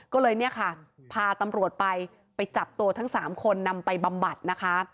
ก็เลยเนี่ยค่ะพาตำรวจไปไปจับตัวทั้ง๓คนนำไปบำบัดนะคะ